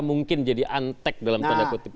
mungkin jadi antek dalam tanda kutip